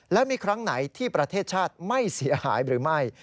และมีครั้งไหนที่ประเทศชาติไม่เสียหายหรือไม่